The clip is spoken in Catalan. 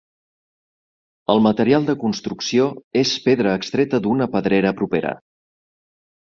El material de construcció és pedra extreta d'una pedrera propera.